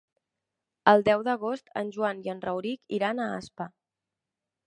El deu d'agost en Joan i en Rauric iran a Aspa.